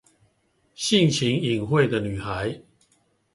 性情穎慧的女孩